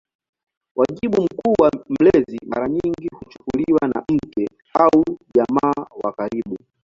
Wajibu mkuu wa mlezi mara nyingi kuchukuliwa na mke au jamaa wa karibu.